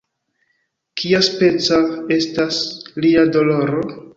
"Kiaspeca estas lia doloro?"